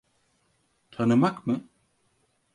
Tanımak mı?